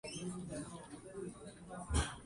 也宁愿永远作梦